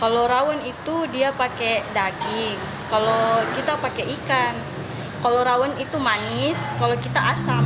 kalau rawon itu dia pakai daging kalau kita pakai ikan kalau rawon itu manis kalau kita asam